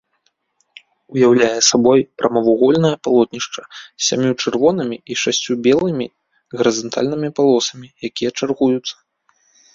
Уяўляе сабой прамавугольнае палотнішча з сямю чырвонымі і шасцю белымі гарызантальнымі палосамі, якія чаргуюцца.